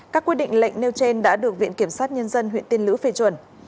các quy định lệnh nêu trên đã được viện kiểm sát nhân dân huyện tiên lữ phê chuẩn